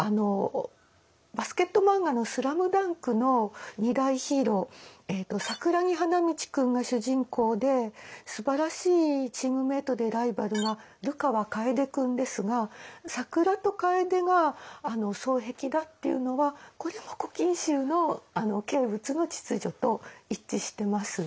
バスケット漫画の「ＳＬＡＭＤＵＮＫ」の二大ヒーロー桜木花道君が主人公ですばらしいチームメートでライバルが流川楓君ですが桜と楓が双璧だっていうのはこれも「古今集」の景物の秩序と一致してます。